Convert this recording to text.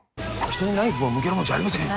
人にナイフを向けるもんじゃありません。